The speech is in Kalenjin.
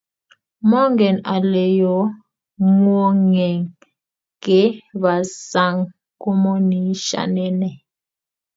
Mongen ale yoo ngwongeng ke bas saang komonishane nee?